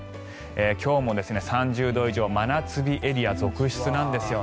今日も３０度以上真夏日エリア続出なんです。